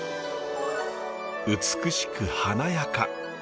美しく華やか。